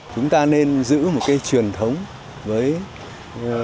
chúng ta nên giữ một cái truyền thống với dân tộc